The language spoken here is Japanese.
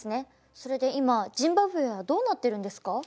それで今ジンバブエはどうなってるんですか？